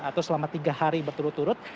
atau selama tiga hari berturut turut